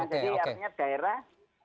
jadi artinya daerah